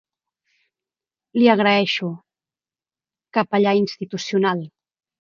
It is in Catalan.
L'hi agraeixo, capellà institucional.